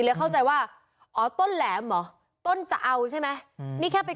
พวกมันต้องกินกันพี่